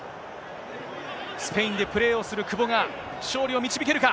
このスペイン相手に、スペインでプレーをする久保が、勝利を導けるか。